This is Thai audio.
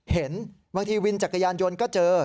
เห็นบางทีวินจักรยานยนต์ก็เจอ